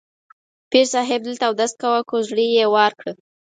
پیر صاحب دلته اودس کاوه، کوزړۍ یې وار کړه.